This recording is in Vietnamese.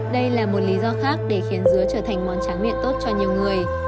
đây là một lý do khác để khiến dứa trở thành món tráng miệng tốt cho nhiều người